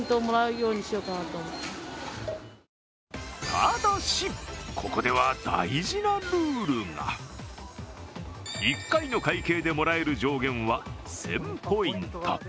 ただし、ここでは大事なルールが１回の会計でもらえる上限は１０００ポイント。